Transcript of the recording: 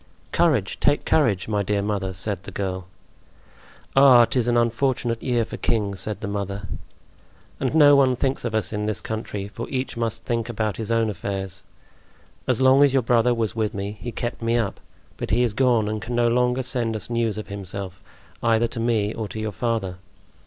"Courage, take courage, my dear mother!" said the girl. "Ah! 'tis an unfortunate year for kings," said the mother. "And no one thinks of us in this country, for each must think about his own affairs. As long as your brother was with me he kept me up; but he is gone and can no longer send us news of himself, either to me or to your father.